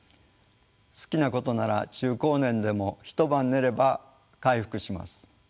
好きなことなら中高年でも一晩寝れば回復します。